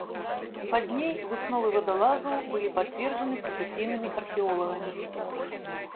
Пазней высновы вадалазаў былі пацверджаны прафесійнымі археолагамі.